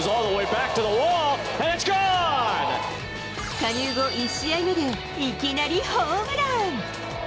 加入後１試合目で、いきなりホームラン。